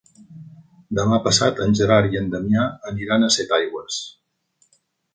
Demà passat en Gerard i en Damià aniran a Setaigües.